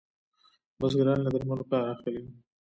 بزګران له درملو کار اخلي.